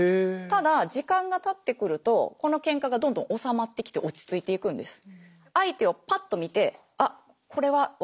ただ時間がたってくるとこのケンカがどんどん収まってきて落ち着いていくんです。